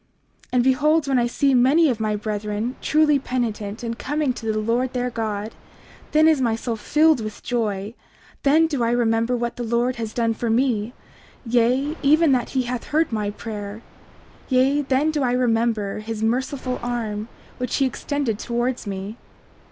29:10 And behold, when I see many of my brethren truly penitent, and coming to the Lord their God, then is my soul filled with joy; then do I remember what the Lord has done for me, yea, even that he hath heard my prayer; yea, then do I remember his merciful arm which he extended towards me.